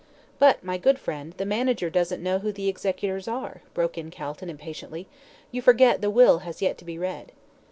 "But, my good friend, the manager doesn't know who the executors are," broke in Calton, impatiently. "You forget the will has yet to be read."